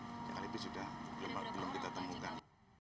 alibi sudah belum kita temukan